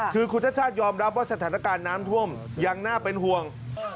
คือคุณชาติชาติยอมรับว่าสถานการณ์น้ำท่วมยังน่าเป็นห่วง